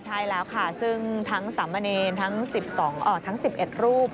ใช่แล้วค่ะซึ่งทั้งสำเนรทั้งสิบเอ็ดรูป